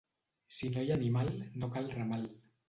Si no hi ha animal, no cal ramal.